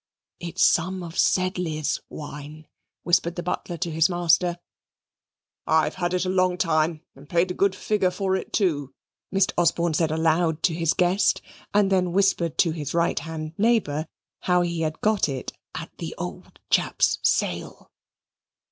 "It is some of Sedley's wine," whispered the butler to his master. "I've had it a long time, and paid a good figure for it, too," Mr. Osborne said aloud to his guest, and then whispered to his right hand neighbour how he had got it "at the old chap's sale."